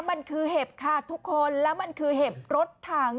มันคือเห็บค่ะทุกคนแล้วมันคือเห็บรถถัง